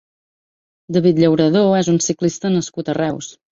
David Llauradó és un ciclista nascut a Reus.